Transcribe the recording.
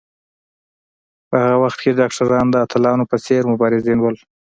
په هغه وخت کې ډاکټران د اتلانو په څېر مبارزین وو.